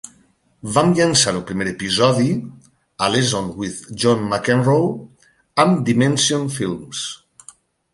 Van llançar el primer episodi, "A Lesson with John McEnroe", amb Dimension Films.